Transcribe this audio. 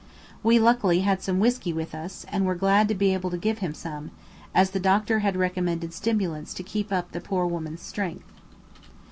We luckily had some whisky with us, and were glad to be able to give him some, as the doctor had recommended stimulants to keep up the poor woman's strength.